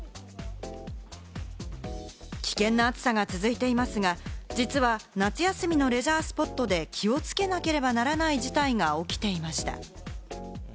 危険な暑さが続いていますが、実は夏休みのレジャースポットで気をつけなければならない事態が起きていました。